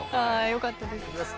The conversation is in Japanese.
よかったです。